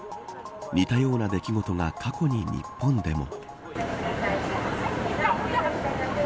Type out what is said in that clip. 似たような出来事は過去に日本でも。